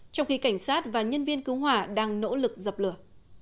trong khi cảnh sát và nhân viên cứu hỏa đang nỗ lực dập lửa